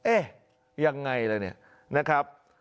เอ๊ะยังไงล่ะเนี่ยนะครับ